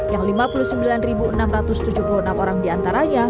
yang lima puluh sembilan enam ratus tujuh puluh enam orang diantaranya